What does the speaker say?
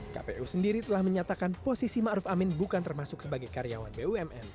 kpu sendiri telah menyatakan posisi ma'ruf amin bukan termasuk sebagai karyawan bumn